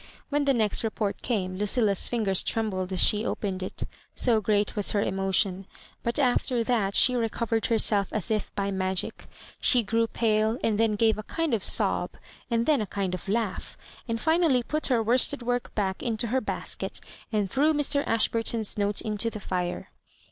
When the next report came, Lucilla's fingers trembled as she opened it, so great was her emotion; but after that she recovered herself as if by mag^c. She grew pale, and then. gave a kind of sob, and then a kind of laugh, and finally put her worsted work back into her basket, and threw Mr. Ashburton^s note into the fire.